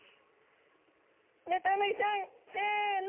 ヌタウナギちゃんせの！